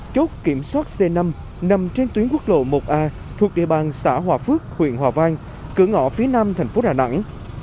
chốt kiểm soát c năm nằm trên tuyến quốc lộ một a thuộc địa bàn xã hòa phước huyện hòa vang cửa ngõ phía nam thành phố đà nẵng